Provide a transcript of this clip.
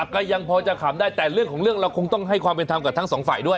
ก็ยังพอจะขำได้แต่เรื่องของเรื่องเราคงต้องให้ความเป็นธรรมกับทั้งสองฝ่ายด้วย